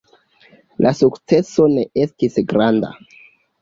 La sukceso ne estis granda.